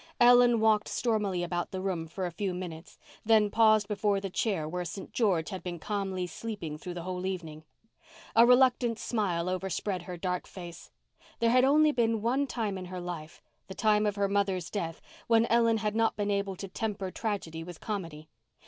Ellen walked stormily about the room for a few minutes, then paused before the chair where St. George had been calmly sleeping through the whole evening. A reluctant smile overspread her dark face. There had been only one time in her life—the time of her mother's death—when Ellen had not been able to temper tragedy with comedy.